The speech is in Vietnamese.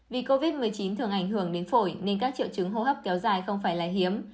vì covid một mươi chín thường ảnh hưởng đến phổi nên các triệu chứng hô hấp kéo dài không phải là hiếm